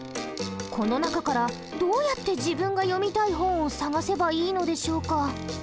この中からどうやって自分が読みたい本を探せばいいのでしょうか。